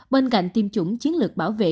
bên cạnh tiêm chủng chiến lược bảo vệ